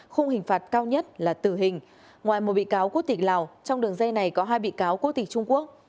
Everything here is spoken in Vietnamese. khung hình phạt cao nhất là tử hình ngoài một bị cáo quốc tịch lào trong đường dây này có hai bị cáo quốc tịch trung quốc